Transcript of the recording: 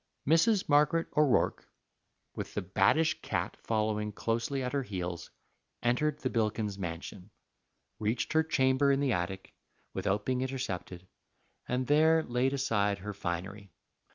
Mrs. Margaret O'Rourke, with the baddish cat following closely at her heels, entered the Bilkins mansion, reached her chamber in the attic without being intercepted, and there laid aside her finery.